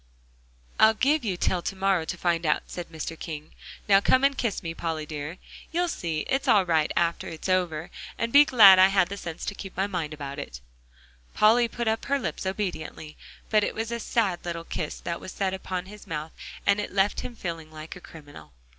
"I'll give you till to morrow to find out," said Mr. King. "Now come and kiss me, Polly dear. You'll see it's all right after it's over, and be glad I had the sense to keep my mind about it." Polly put up her lips obediently. But it was a sad little kiss that was set upon his mouth, and it left him feeling like a criminal.